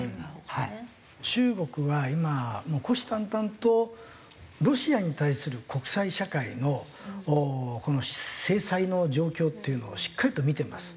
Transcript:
中国は今もう虎視眈々とロシアに対する国際社会のこの制裁の状況っていうのをしっかりと見てます。